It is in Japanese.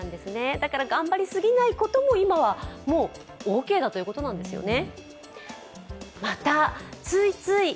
頑張りすぎないことも今はもうオーケーだということなんですよね。